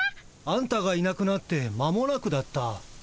あんたがいなくなって間もなくだった。